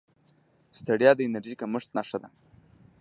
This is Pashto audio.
ستړیا د انرژۍ کمښت نښه ده